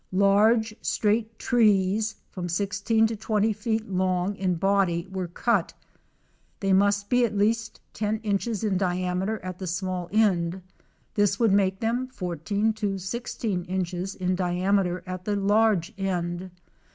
Large, straight trees, from 16 to 20 feet long in body were cut. They must be at least ten inches in diameter at the small^end; this would make them 14 to 16 inches in diameter at the large end.